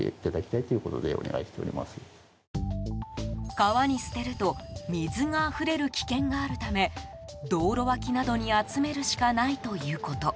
川に捨てると水があふれる危険があるため道路脇などに集めるしかないということ。